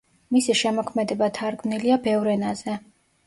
მისი შემოქმედება თარგმნილია ბევრ ენაზე.